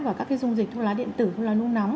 và các dung dịch thuốc lá điện tử thuốc lá nu nóng